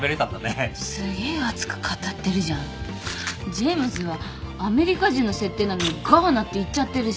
ジェームズはアメリカ人の設定なのにガーナって言っちゃってるし。